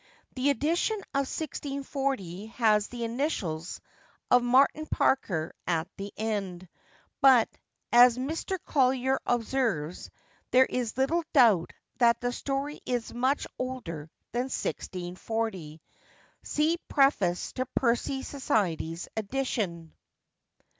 The edition of 1640 has the initials of Martin Parker at the end, but, as Mr. Collier observes, 'There is little doubt that the story is much older than 1640.' See preface to Percy Society's Edition.